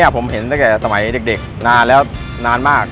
ผมเห็นตั้งแต่สมัยเด็กนานแล้วนานมาก